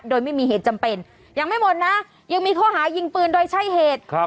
โดยไม่มีเหตุจำเป็นยังไม่หมดนะยังมีข้อหายิงปืนโดยใช้เหตุครับ